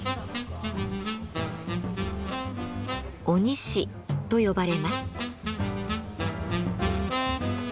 鬼師と呼ばれます。